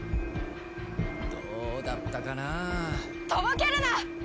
どうだったかな？とぼけるな！